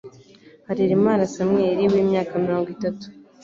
Harerimana Samuel w'imyaka mirongo itatu